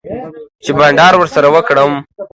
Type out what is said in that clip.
چی بانډار ورسره وکړم